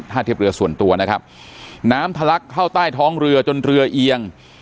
ถ้าเทียบเรือส่วนตัวนะครับน้ำทะลักเข้าใต้ท้องเรือจนเรือเอียง